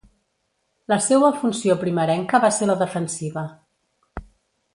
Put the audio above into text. La seua funció primerenca va ser la defensiva.